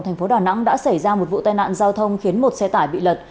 thành phố đà nẵng đã xảy ra một vụ tai nạn giao thông khiến một xe tải bị lật